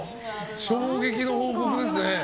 衝撃の報告ですね。